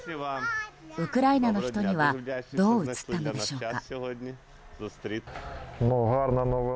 ウクライナの人にはどう映ったのでしょうか。